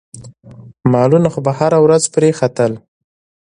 مالونه خو به هره ورځ پرې ختل.